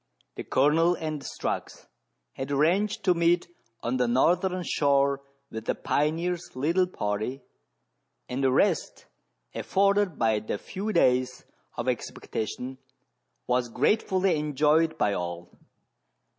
The Colonel and Strux had arranged to meet on the northern shore with the pioneer's little party, and the rest afforded by the few days 213 meridiana; the adventures of of expectation was gratefully enjoyed by all.